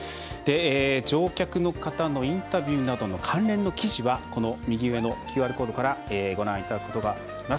乗客の方のインタビューなどの関連の記事は右上のＱＲコードからご覧いただくことができます。